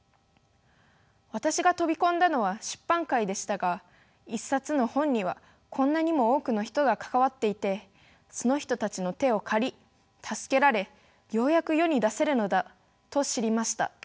私が飛び込んだのは出版界でしたが一冊の本にはこんなにも多くの人が関わっていてその人たちの手を借り助けられようやく世に出せるのだと知りました。